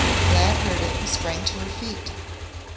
Glad heard it and sprang to her feet.